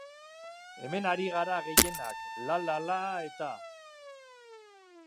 Hemen ari gara gehienak la-la-la eta...